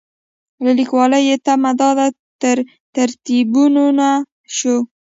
له لیکوالو یې تمه دا ده تریبیونونه شو.